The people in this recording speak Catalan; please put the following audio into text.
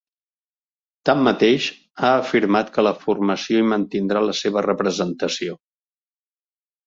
Tanmateix, ha afirmat que la formació hi mantindrà la seva representació.